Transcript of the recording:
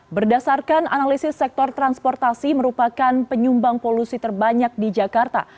berdasarkan analisis sektor transportasi merupakan penyumbang polusi terbanyak di jakarta